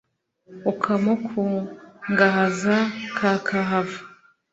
ukamukungahaza kakahava